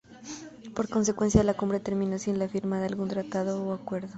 Por consecuencia la cumbre terminó sin la firma de algún tratado o acuerdo.